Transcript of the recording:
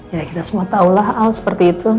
ya kita semua tahulah hal seperti itu